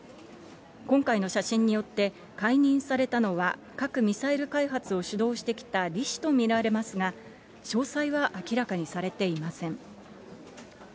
今回の写真によって、解任されたのは核・ミサイル開発を主導してきたリ氏と見られますが、詳細は明らかにされていません。